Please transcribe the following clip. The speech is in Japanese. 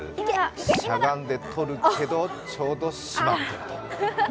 しゃがんで取るけどちょうど閉まってる。